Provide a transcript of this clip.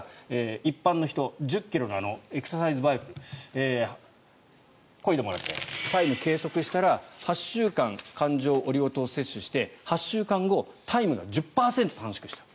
一般の人１０ｋｍのエクササイズバイクこいでもらってタイムを計測したら８週間、環状オリゴ糖を摂取して８週間後タイムが１０％短縮した。